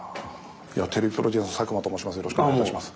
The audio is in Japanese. テレビプロデューサーの佐久間と申します。